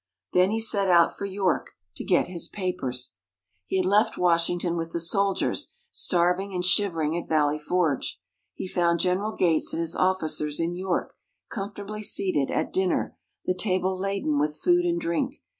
Then he set out for York, to get his papers. He had left Washington with the soldiers, starving and shivering at Valley Forge; he found General Gates and his officers in York, comfortably seated at dinner, the table laden with food and drink.